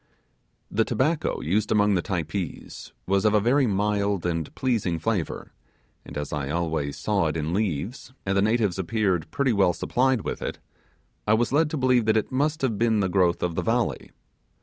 The tobacco used among the Typees was of a very mild and pleasing flavour, and as I always saw it in leaves, and the natives appeared pretty well supplied with it, I was led to believe that it must have been the growth of the valley.